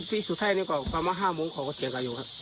ที่สุดท้ายนี่ก็ความว่า๕โมงของก็เตียงกันอยู่ครับ